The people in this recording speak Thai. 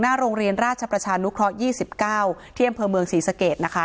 หน้าโรงเรียนราชประชานุครอค๒๙ที่อำเภอเมืองศรีสเกตนะคะ